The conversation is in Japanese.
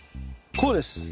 こうです。